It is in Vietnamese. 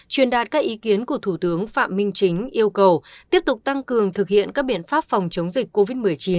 truyền đạt các ý kiến của thủ tướng phạm minh chính yêu cầu tiếp tục tăng cường thực hiện các biện pháp phòng chống dịch covid một mươi chín